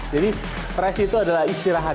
jadi rest itu adalah istirahat